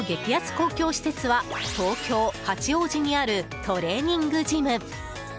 公共施設は東京・八王子にあるトレーニングジム。